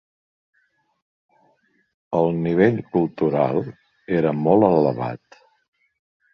El nivell cultural era molt elevat.